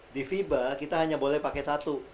di fiba kita hanya boleh pakai satu